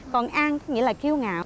còn an nghĩa là kiêu ngạo